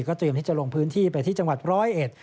เตรียมที่จะลงพื้นที่ไปที่จังหวัดร้อยเอ็ด